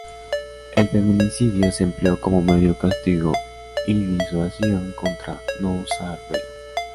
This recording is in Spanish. El feminicidio se empleó como medio castigo y disuasión contra no usar velo.